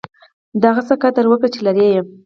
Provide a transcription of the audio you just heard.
د هغه څه قدر وکړئ، چي لرى يې.